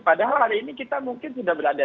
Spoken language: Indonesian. padahal hari ini kita mungkin sudah berada